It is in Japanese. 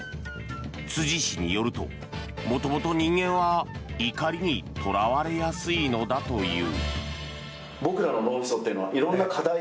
辻氏によると、元々人間は怒りにとらわれやすいのだという。